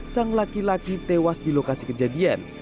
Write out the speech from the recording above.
sang laki laki tewas di lokasi kejadian